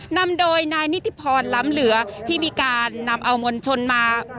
นำโดยนายนิติพรล้ำเหลือที่มีการนำเอามวลชนมา